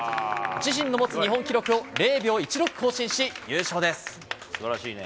自身の持つ日本記録を０秒１６更新し、優勝です。